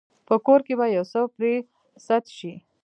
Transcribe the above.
په کور کې به يو څه پرې سد شي.